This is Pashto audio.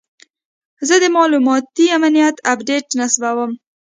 زه د معلوماتي امنیت اپډیټ نصبوم.